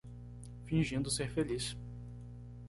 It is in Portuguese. Fingindo ser feliz